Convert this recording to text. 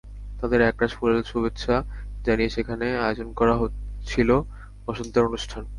তাঁদের একরাশ ফুলেল শুভেচ্ছা জানিয়ে সেখানে আয়োজন করা হয়েছিল বসন্তের অনুষ্ঠান।